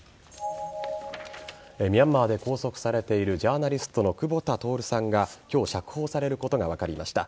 ミャンマーで拘束されているジャーナリストの久保田徹さんが今日釈放されることが分かりました。